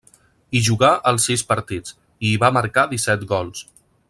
Hi jugà els sis partits, i hi va marcar disset gols.